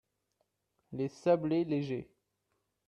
les sablés légers